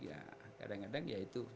ya kadang kadang ya itu